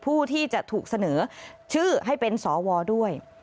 ผู้ที่จะถูกเสนอชื่อให้เป็นสวด้วย